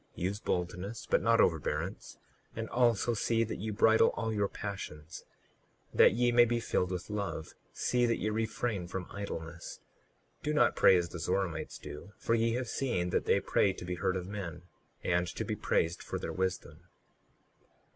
38:12 Use boldness, but not overbearance; and also see that ye bridle all your passions, that ye may be filled with love; see that ye refrain from idleness. 38:13 Do not pray as the Zoramites do, for ye have seen that they pray to be heard of men, and to be praised for their wisdom.